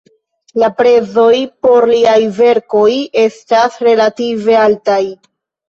La prezoj por liaj verkoj estas relative altaj.